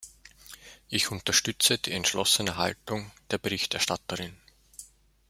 Ich unterstütze die entschlossene Haltung der Berichterstatterin.